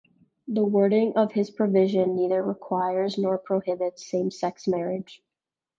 The wording of this provision neither requires nor prohibits same-sex marriage.